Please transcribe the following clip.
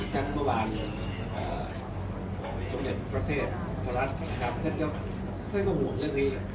ทั้งเมื่อวานสมเด็จประเทศพระรัฐนะครับท่านก็ห่วงเรื่องนี้